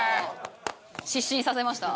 失神させました？